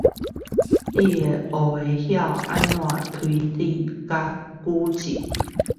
你將學會如何推理與舉證